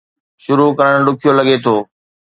شروع ڪرڻ ڏکيو لڳي ٿو